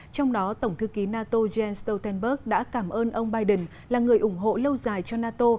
trong đó tổng thư ký nato jens stoltenberg đã cảm ơn ông biden là người ủng hộ lâu dài cho nato